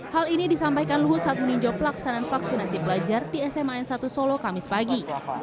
hal ini disampaikan luhut saat meninjau pelaksanaan vaksinasi pelajar di sma n satu solo kamis pagi